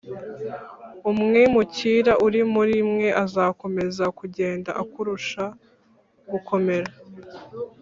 Umwimukira uri muri mwe azakomeza kugenda akurusha gukomera,